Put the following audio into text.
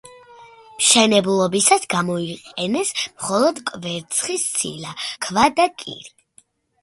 მშენებლობისას გამოიყენეს მხოლოდ კვერცხის ცილა, ქვა და კირი.